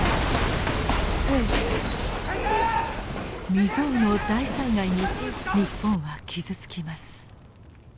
未曽有の大災害に日本は傷つきます。